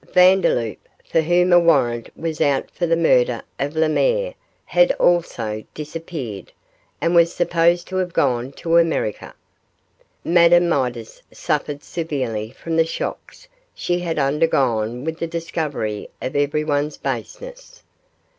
Vandeloup, for whom a warrant was out for the murder of Lemaire, had also disappeared, and was supposed to have gone to America. Madame Midas suffered severely from the shocks she had undergone with the discovery of everyone's baseness.